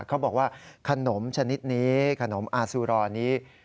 เขาบอกว่าขนมชนิดนี้ขนมอาซูรอนี้